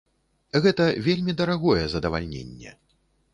Гэта вельмі дарагое задавальненне.